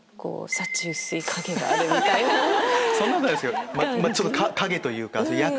そんなことないですけどちょっと影というか。